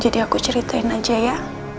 jadi aku ceritain aja ya